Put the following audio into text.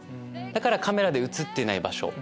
だからカメラで映ってない場所。